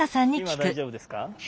今大丈夫ですか？